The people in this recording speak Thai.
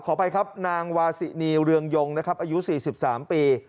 อภัยครับนางวาสินีเรืองยงนะครับอายุ๔๓ปี